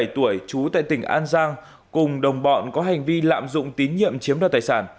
hai mươi tuổi trú tại tỉnh an giang cùng đồng bọn có hành vi lạm dụng tín nhiệm chiếm đoạt tài sản